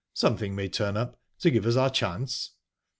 "Something may turn up, to give us our chance."